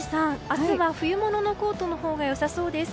明日は冬物のコートのほうが良さそうです。